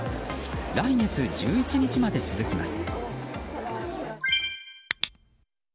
来月１１日まで続きます。